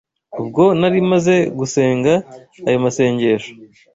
ubwo nari maze gusenga ayo masengesho.